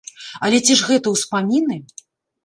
Але ці ж гэта ўспаміны?